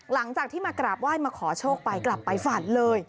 หลังจากที่มากราบไหว้มาขอโชคไปกลับไปฝันเลย